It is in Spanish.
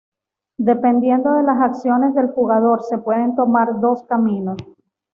Dependiendo de las acciones del jugador, se pueden tomar dos camino.